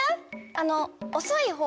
あのおそいほう？